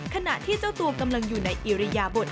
ขณะที่เจ้าตัวกำลังอยู่ในอิริยบท